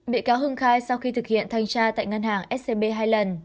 bị cáo hưng khai sau khi thực hiện thanh tra tại ngân hàng scb hai lần